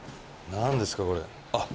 何ですかこれあっ。